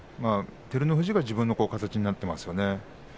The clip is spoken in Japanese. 照ノ富士が自分の形になっていますよね。